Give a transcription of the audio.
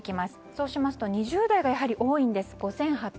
そうしますと２０代がやはり多いんです。